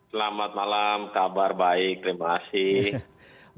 selamat malam kabar baik terima kasih